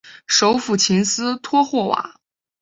首府琴斯托霍瓦。